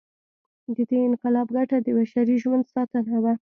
د دې انقلاب ګټه د بشري ژوند ساتنه وه.